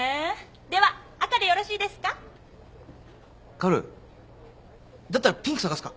薫だったらピンク探すか。